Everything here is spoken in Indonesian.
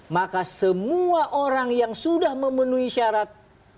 maka semua orang yang sudah memenuhi syarat